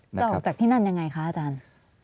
จะออกจากที่นั่นยังไงคะอาจารย์